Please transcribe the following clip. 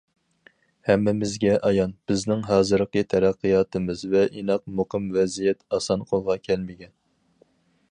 ھەممىمىزگە ئايان، بىزنىڭ ھازىرقى تەرەققىياتىمىز ۋە ئىناق، مۇقىم ۋەزىيەت ئاسان قولغا كەلمىگەن.